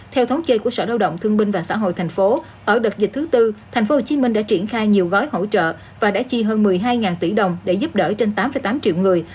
theo thống kê của sở lao động thương binh và xã hội thành phố ở đợt dịch thứ tư tp hcm đã triển khai nhiều gói hỗ trợ và đã chi hơn một mươi hai tỷ đồng để giúp đỡ trên tám tám triệu người